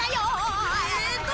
えっと